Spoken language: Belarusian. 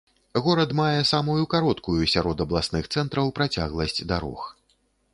Горад мае самую кароткую сярод абласных цэнтраў працягласць дарог.